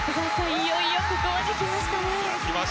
いよいよここまで来ましたね。